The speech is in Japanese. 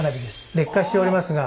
劣化しておりますが。